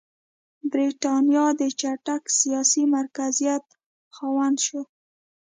برېټانیا د چټک سیاسي مرکزیت خاونده شوه.